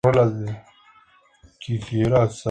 Florecen de mayo a julio.